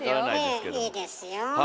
ええいいですよ。